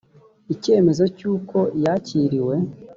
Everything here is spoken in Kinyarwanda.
icyemezo cy uko yakiriwe